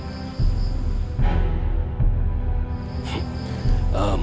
saya sudah kisah meski